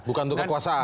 bukan untuk kekuasaan